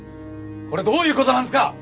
これどういう事なんですか？